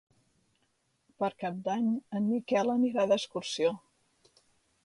Per Cap d'Any en Miquel anirà d'excursió.